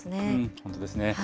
本当ですね。